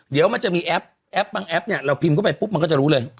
เดี๋ยวมันจะมีแอปแอปบางแอปเนี่ยเราพิมพ์เข้าไปปุ๊บมันก็จะรู้เลย